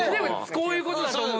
こういうことだと思う。